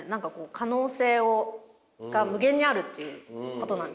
可能性が無限にあるっていうことなんですね。